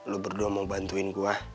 lu berdua mau bantuin gua